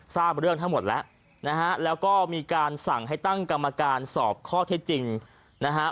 ทราบเรื่องทั้งหมดแล้วนะฮะแล้วก็มีการสั่งให้ตั้งกรรมการสอบข้อเท็จจริงนะฮะ